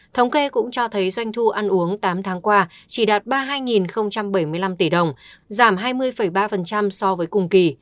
thống kê cũng cho thấy doanh thu ăn uống tám tháng qua chỉ đạt ba mươi hai bảy mươi năm tỷ đồng giảm hai mươi ba so với cùng kỳ